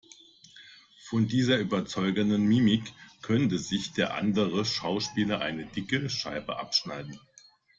Von dieser überzeugenden Mimik könnte sich der andere Schauspieler eine dicke Scheibe abschneiden.